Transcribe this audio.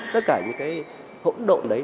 tất cả những cái hỗn độn đấy